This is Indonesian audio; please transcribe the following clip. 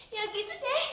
ya gitu deh